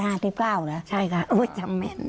ใช่ค่ะแต่ว่าจำแม่น